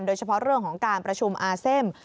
โดยเฉพาะเรื่องของการประชุมอาเซม